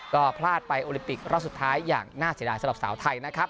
ก็พลาดไปโอลิมปิกรอบสุดท้ายอย่างน่าเสียดายสำหรับสาวไทยนะครับ